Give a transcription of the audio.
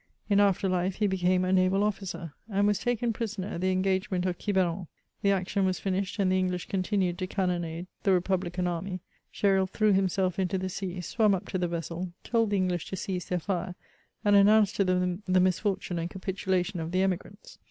In after life he hecame a naval officer, and was taken prisoner at the engagement of Quiheron. The action was finished^ and the English continued to cannonade the repuhUcan army; Gresril threw himself into the sea, swam up to the vessel, told the English to cease their fire, and announced to them the misfortmie and capitulation of the emigrants.